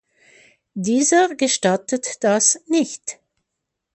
Dieser gestattet das nicht.